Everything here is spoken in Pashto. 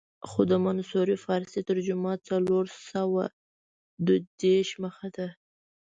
خو د منصوري فارسي ترجمه څلور سوه دوه دېرش مخه ده.